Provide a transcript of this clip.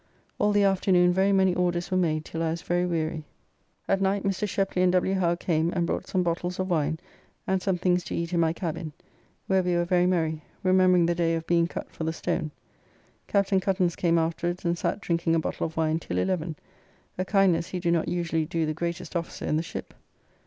All the afternoon very many orders were made, till I was very weary. At night Mr. Sheply and W. Howe came and brought some bottles of wine and some things to eat in my cabin, where we were very merry, remembering the day of being cut for the stone. Captain Cuttance came afterwards and sat drinking a bottle of wine till eleven, a kindness he do not usually do the greatest officer in the ship.